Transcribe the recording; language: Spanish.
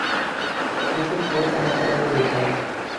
Es el puerto más grande del país.